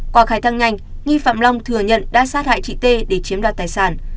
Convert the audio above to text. qua khai thăng nhanh nghi phạm long thừa nhận đã sát hại chị tê để chiếm đoạt tài sản